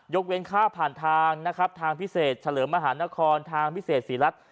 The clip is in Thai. ๑๓๑๔๑๕ยกเว้นค่าผ่านทางทางพิเศษเฉลิมมหานครทางพิเศษศรีรัตน์